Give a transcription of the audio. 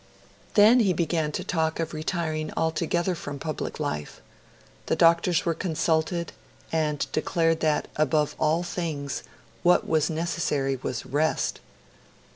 Then he began to talk of retiring altogether from public life. The doctors were consulted, and declared that, above all things, what was necessary was rest.